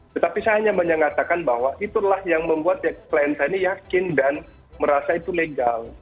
tetapi saya hanya menyatakan bahwa itulah yang membuat klien saya ini yakin dan merasa itu legal